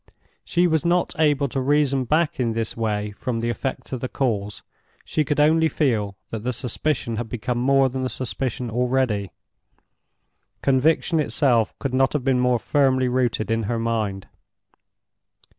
She was not able to reason back in this way from the effect to the cause. She could only feel that the suspicion had become more than a suspicion already: conviction itself could not have been more firmly rooted in her mind.